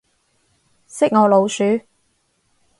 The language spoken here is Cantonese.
識我老鼠